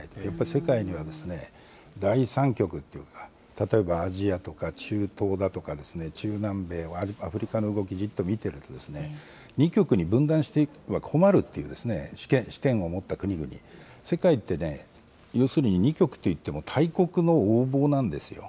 世界には第三極というか、例えばアジアとか中東だとか、中南米、アフリカの動きじっと見てると、２極に分担しては困るという視点を持った国々、世界ってね、要するに２極といっても大国の横暴なんですよ。